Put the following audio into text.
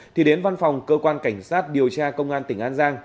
thì đến văn phòng cơ quan cảnh sát điều tra công an tỉnh an giang